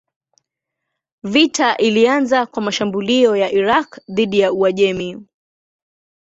Vita ilianza kwa mashambulio ya Irak dhidi ya Uajemi.